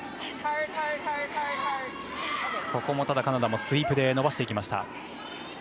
カナダはスイープで伸ばしていきました。